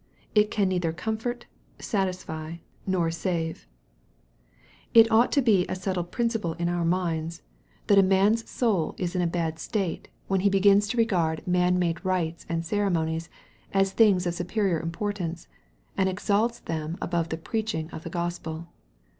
It can neither comfort, satisfy, nor save. It ought to be a settled principle in our minds, that 38 EXPOSITORY THOUGHTS. a man's soul is in a bad state, when he begins to regard man made rites and ceremonies, as things of superior importance, and exalts them above the preaching of the Gospel.